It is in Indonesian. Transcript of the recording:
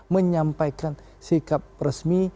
menyampaikan sikap resmi